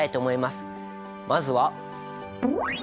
まずは。